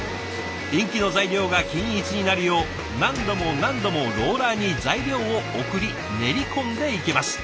インキの材料が均一になるよう何度も何度もローラーに材料を送り練り込んでいきます。